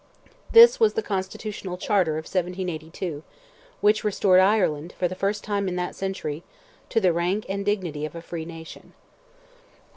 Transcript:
This was the constitutional charter of 1782, which restored Ireland, for the first time in that century, to the rank and dignity of a free nation.